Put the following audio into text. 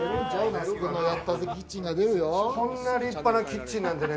こんな立派なキッチンなんでね。